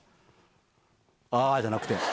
「あぁ」じゃなくて。